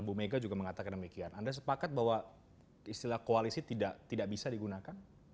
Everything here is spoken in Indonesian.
bu mega juga mengatakan demikian anda sepakat bahwa istilah koalisi tidak bisa digunakan